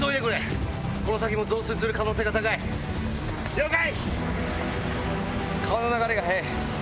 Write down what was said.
了解！